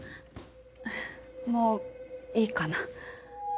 もういいかな？